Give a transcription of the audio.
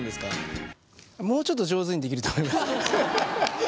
もうちょっと上手にできると思います。